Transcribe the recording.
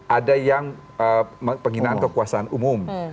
ada yang penghinaan kekuasaan umum